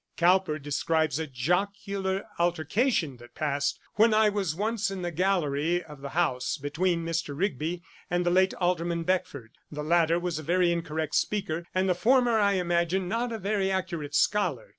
Cowper describes 'a jocular altercation that passed when I was once in the gallery [of the House], between Mr. Rigby and the late Alderman Beckford. The latter was a very incorrect speaker, and the former, I imagine, not a very accurate scholar.